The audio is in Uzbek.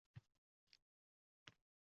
Yolqinlanib pokiza olov.